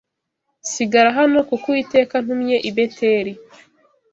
sigara hano, kuko Uwiteka antumye i Beteli